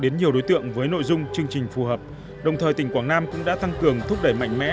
đến nhiều đối tượng với nội dung chương trình phù hợp đồng thời tỉnh quảng nam cũng đã tăng cường thúc đẩy mạnh mẽ